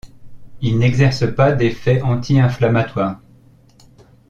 Il n’exerce pas d’effet anti-inflammatoire.